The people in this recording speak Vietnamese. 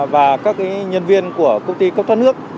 và các nhân viên của công ty cấp thoát nước